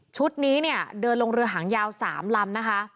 นี้เนี่ยเดินลงเรือหางยาว๓ลำนะคะ